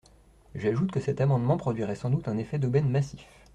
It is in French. J’ajoute que cet amendement produirait sans doute un effet d’aubaine massif.